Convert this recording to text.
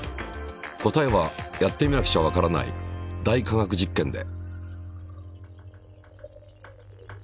答えはやってみなくちゃわからない「大科学実験」で。